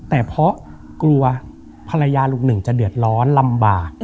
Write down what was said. แต่เพราะกลัวภรรยาลุงหนึ่งจะเดือดร้อนลำบาก